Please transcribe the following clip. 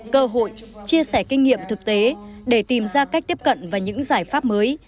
cơ hội chia sẻ kinh nghiệm thực tế để tìm ra cách tiếp cận và những giải pháp mới